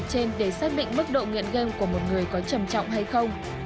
trên để xác định mức độ nghiện game của một người có trầm trọng hay không